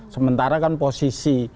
sementara kan posisi